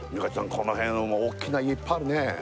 このへんおっきな家いっぱいあるね